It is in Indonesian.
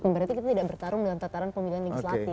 berarti kita tidak bertarung dalam tataran pemilihan legislatif